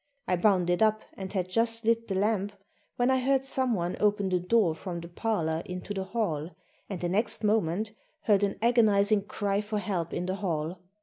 I bounded up and had just lit the lamp when I heard someone open the door from the parlor into the hall, and the next moment heard an agonizing cry for help in the hall.